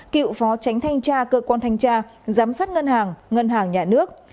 cựu phó tránh thanh tra cơ quan thanh tra giám sát ngân hàng ngân hàng nhà nước